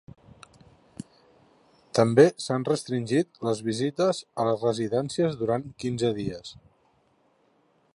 També s’han restringit les visites a les residències durant quinze dies.